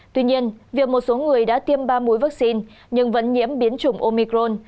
tuy nhiên việc một số người đã tiêm ba mũi vaccine nhưng vẫn nhiễm biến chủng omicron